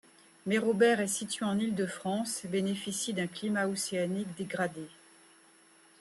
Mérobert est située en Île-de-France et bénéficie d'un climat océanique dégradé.